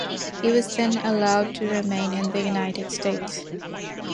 He was then allowed to remain in the United States.